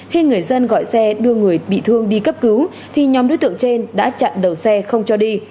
khi người dân gọi xe đưa người bị thương đi cấp cứu thì nhóm đối tượng trên đã chặn đầu xe không cho đi